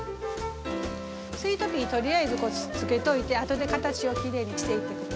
スイートピーとりあえずつけといてあとで形をきれいにしていってください。